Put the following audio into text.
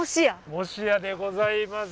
もしやでございます。